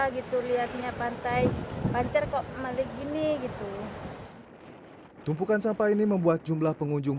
gitu lihatnya pantai pancar kok malik gini gitu tumpukan sampah ini membuat jumlah pengunjung